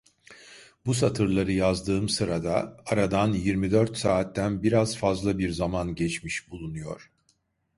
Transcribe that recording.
Bu satırları yazdığım sırada aradan yirmi dört saatten biraz fazla bir zaman geçmiş bulunuyor.